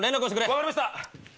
分かりました！